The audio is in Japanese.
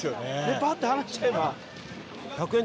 バッて離しちゃえば。